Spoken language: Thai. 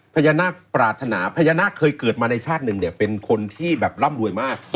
พญานาคปรารถนาพญานาคเคยเกิดมาในชาติหนึ่งเนี่ยเป็นคนที่แบบร่ำรวยมาก